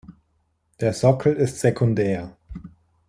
Der Sockel ist sekundär.